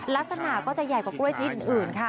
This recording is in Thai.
ลักษณะก็จะใหญ่กว่ากล้วยชนิดอื่นค่ะ